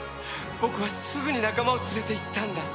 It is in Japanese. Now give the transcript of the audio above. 僕はすぐに仲間を連れて行ったんだ。